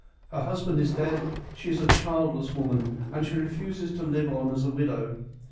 Her husband is, dead, she is a childless woman, and she refuses to live on as a widow.